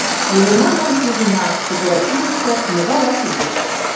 Илена гын, ужына: кооперативыште могай ак лиеш...